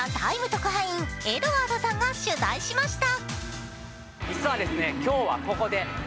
特派員エドワードさんが取材しました。